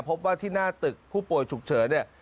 พบว่าที่หน้าตึกผู้ป่วยฉุกเฉินเนี่ย